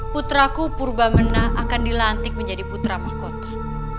putraku purba mena akan dilantik menjadi putra mahkota